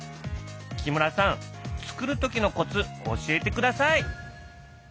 木村さん作る時のコツ教えてください！